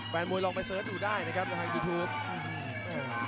แฟนมวยลองไปเสิร์ชดูได้นะครับทางยูทูป